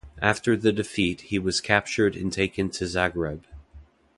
After the defeat he was captured and taken to Zagreb.